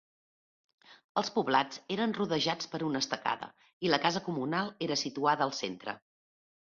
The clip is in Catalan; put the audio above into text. Els poblats eren rodejats per una estacada, i la casa comunal era situada al centre.